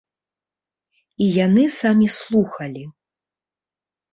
І яны самі слухалі.